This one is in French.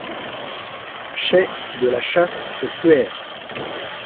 Chai de la classe au cuer…